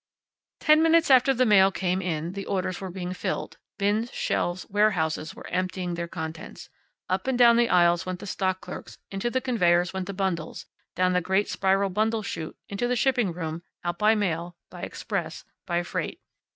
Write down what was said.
Ten minutes after the mail came in the orders were being filled; bins, shelves, warehouses, were emptying their contents. Up and down the aisles went the stock clerks; into the conveyors went the bundles, down the great spiral bundle chute, into the shipping room, out by mail, by express, by freight.